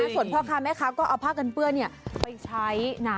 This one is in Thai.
ส่วนพ่อค้าแม่ค้าก็เอาผ้ากันเปื้อนไปใช้นะ